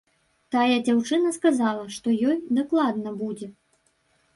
Тая дзяўчына сказала, што ёй дакладна будзе.